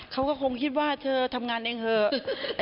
เขาก็คงคิดว่าเธอทำงานเองเถอะ